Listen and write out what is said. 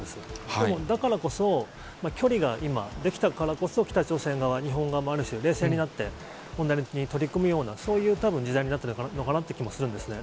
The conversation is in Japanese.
でも、だからこそ、距離が今、できたからこそ、北朝鮮側、日本側もある種冷静になって、問題に取り組むような、そういう、たぶん時代になってるのかなという気もするんですね。